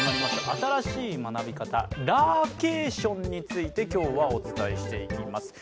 新しい学び方ラーケーションについて今日はお伝えしていきます。